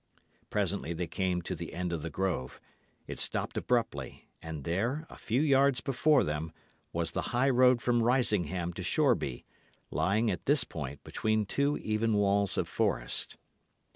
Presently they came to the end of the grove. It stopped abruptly; and there, a few yards before them, was the high road from Risingham to Shoreby, lying, at this point, between two even walls of forest.